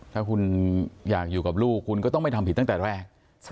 ถ้าคุณอยากอยู่กับลูกคุณก็ต้องไม่ทำผิดตั้งแต่แรก